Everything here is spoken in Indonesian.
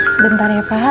sebentar ya pak